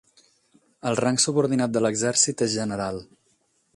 El rang subordinat de l'exèrcit és general.